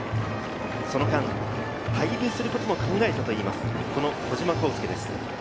その間、退部することも考えたという小島光佑です。